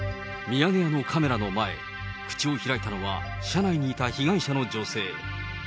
ミヤネ屋のカメラの前、口を開いたのは、車内にいた被害者の女性。